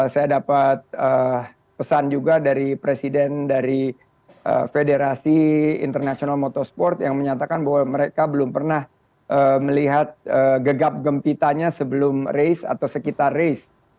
saya dapat pesan juga dari presiden dari federasi international motorsport yang menyatakan bahwa mereka belum pernah melihat gegap gempitanya sebelum race atau sekitar race